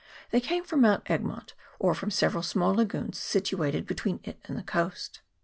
They came from Mount Egmont, or from several small lagoons situated be tween it and the coast.